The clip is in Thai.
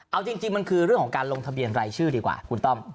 เอาจริงมันคือเรื่องของการลงทะเบียนรายชื่อดีกว่าคุณต้อม